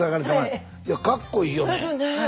いやかっこいいよね。